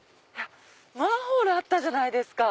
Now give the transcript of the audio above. マンホールあったじゃないですか。